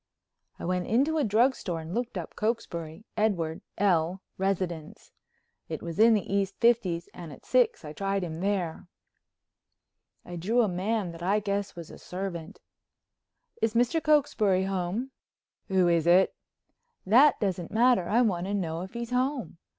I went into a drugstore and looked up Cokesbury—Edward L., residence. It was in the East Fifties and at six I tried him there. I drew a man that I guess was a servant: "Is Mr. Cokesbury home?" "Who is it?" "That doesn't matter. I want to know if he's home."